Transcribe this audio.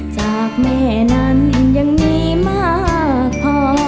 จากแม่นั้นยังมีมากพอ